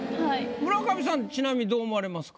村上さんちなみにどう思われますか？